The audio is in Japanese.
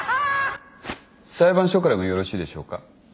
裁判所からもよろしいでしょうか。